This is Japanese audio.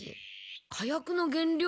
火薬の原料の。